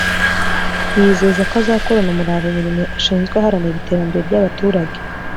yizeza ko azakorana umurava imirimo ashinzwe aharanira iterambere ry’abaturage